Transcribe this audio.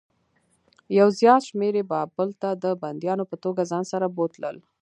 یو زیات شمېر یې بابل ته د بندیانو په توګه ځان سره بوتلل.